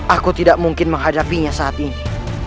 aku tidak mungkin menghadapinya saat ini